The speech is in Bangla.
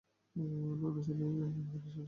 নানান সময়ে তসলিমা নাসরিন সমালোচিত হয়েছেন।